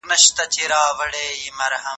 که مقاومت وکړئ، ستونزې به اسانه شي.